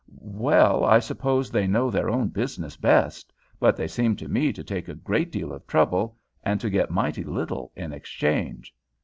"Well, I suppose they know their own business best, but they seem to me to take a great deal of trouble, and to get mighty little in exchange.